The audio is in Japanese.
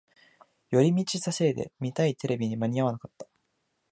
寄り道したせいで見たいテレビに間に合わなかった